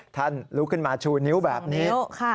ลุกขึ้นมาชูนิ้วแบบนี้